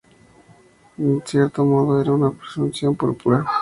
En cierto modo era una presunción púrpura.